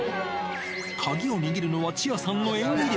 鍵を握るのはチアさんの演技力。